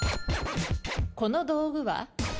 この道具は？